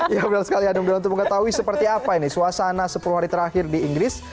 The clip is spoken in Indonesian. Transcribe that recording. ya benar sekali ada yang belum tahu seperti apa ini suasana sepuluh hari terakhir di inggris